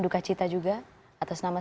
dukacita juga atas nama